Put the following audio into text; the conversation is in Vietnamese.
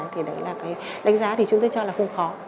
thì đấy là cái đánh giá thì chúng tôi cho là không khó